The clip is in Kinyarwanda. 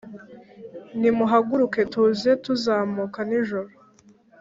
Nimuhaguruke tuze kuzamuka nijoro